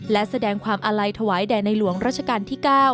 และแสดงความอาลัยถวายแด่ในหลวงราชการที่๙